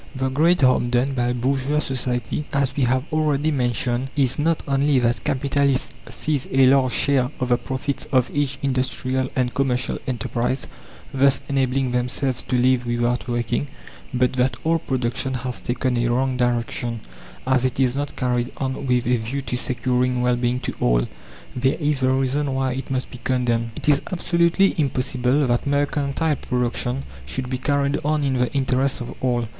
The great harm done by bourgeois society, as we have already mentioned, is not only that capitalists seize a large share of the profits of each industrial and commercial enterprise, thus enabling themselves to live without working, but that all production has taken a wrong direction, as it is not carried on with a view to securing well being to all. There is the reason why it must be condemned. It is absolutely impossible that mercantile production should be carried on in the interest of all.